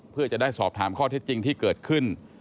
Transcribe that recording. เพื่อจะได้สอบถามข้อเท็จจริงที่เกิดขึ้น